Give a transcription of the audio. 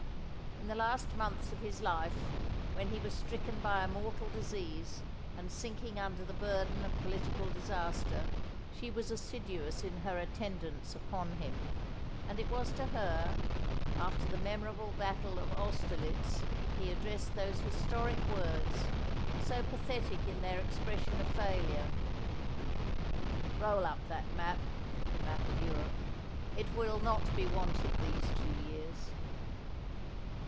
In the last months of his life, when he was stricken by a mortal disease, and sinking under the burden of political disaster, she was assiduous in her attendance upon him; and it was to her, after the memorable battle of Austerlitz, he addressed those historic words, so pathetic in their expression of failure, "Roll up that map (the map of Europe), it will not be wanted these two years."